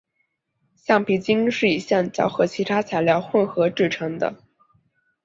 橡皮筋是以橡胶和其他材料混合制成的。